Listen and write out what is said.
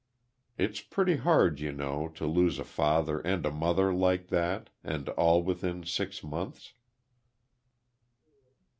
There, there!" It's pretty hard, you know, to lose a father and a mother like that, and all within six months.